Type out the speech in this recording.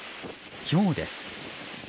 ひょうです。